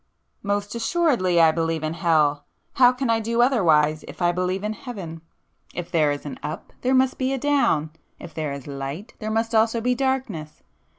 "Most assuredly I believe in hell! How can I do otherwise if I believe in heaven? If there is an Up there must be [p 441] a Down; if there is Light, there must also be Darkness!